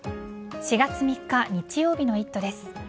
４月３日日曜日の「イット！」です。